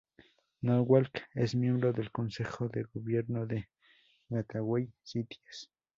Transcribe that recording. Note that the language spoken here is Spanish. Norwalk es miembro del Consejo de Gobierno de Gateway Cities.